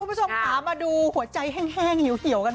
คุณผู้ชมค่ะมาดูหัวใจแห้งเหี่ยวกัน